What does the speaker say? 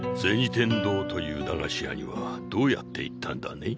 天堂という駄菓子屋にはどうやって行ったんだね？